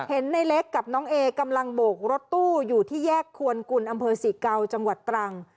เห็นในเล็กกับน้องเอกำลังโบกรถตู้อยู่ที่แยกควนกุลอำเภอศรีเกาจังหวัดตรัง